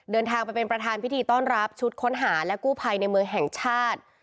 เดินทางไปเป็นประธานพิธีต้อนรับชุดค้นหาและกู้ภัยในเมืองแห่งชาติ